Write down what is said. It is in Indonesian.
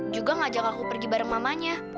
juga ngajak aku pergi bareng mamanya